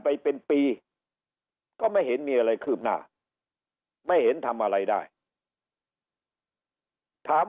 ไปเป็นปีก็ไม่เห็นมีอะไรคืบหน้าไม่เห็นทำอะไรได้ถาม